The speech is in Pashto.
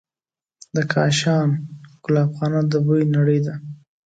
د کاشان ګلابخانه د بوی نړۍ ده.